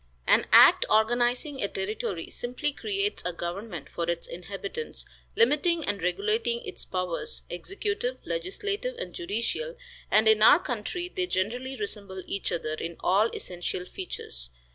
An act organizing a territory simply creates a government for its inhabitants, limiting and regulating its powers, executive, legislative and judicial, and in our country they generally resemble each other in all essential features.